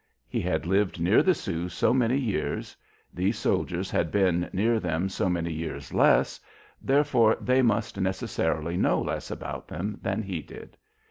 He had lived near the Sioux so many years; these soldiers had been near them so many years less; therefore they must necessarily know less about them than he did.